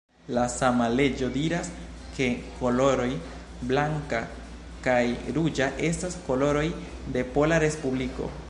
La sama leĝo diras, ke koloroj blanka kaj ruĝa estas koloroj de Pola Respubliko.